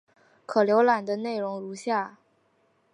可浏览的内容如下。